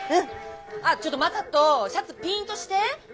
あちょっと正門シャツピンとして。